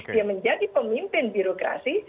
dia menjadi pemimpin birokrasi